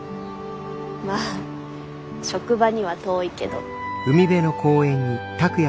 まあ職場には遠いけど。